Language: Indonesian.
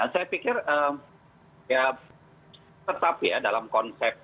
saya pikir tetap dalam konsep